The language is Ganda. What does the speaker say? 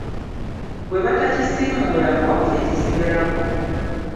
Bwe batakisimuulako, kye kisigalako.